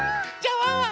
ワンワン